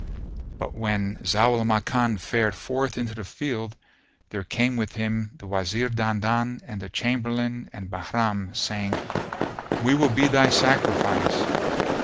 But when Zau al Makan fared forth into the field, there came with him the Wazir Dandan and the Chamberlain and Bahram, saying, "We will be thy sacrifice."